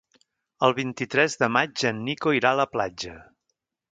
El vint-i-tres de maig en Nico irà a la platja.